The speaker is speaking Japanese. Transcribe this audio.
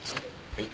はい。